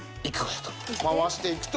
回していくと。